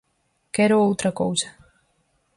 Quero outra cousa.